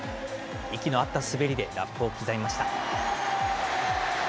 息の合った滑りでラップを刻みました。